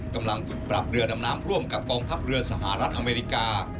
กำลังถูกปรับเรือดำน้ำร่วมกับกองทัพเรือสหรัฐอเมริกา